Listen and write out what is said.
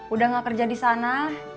udah gak kerja di sana